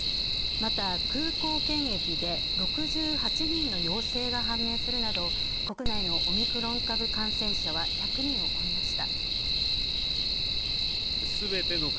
また、空港検疫で６８人の陽性が判明するなど国内のオミクロン株感染者は１００人を超えました。